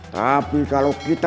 tapi kalau kita